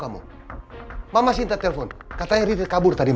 kamu melakukan sesuatu yang tidak benar